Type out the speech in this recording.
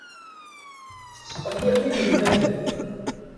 Tettqelliq inelmaden.